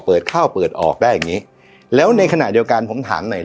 เปิดเข้าเปิดออกได้อย่างงี้แล้วในขณะเดียวกันผมถามหน่อย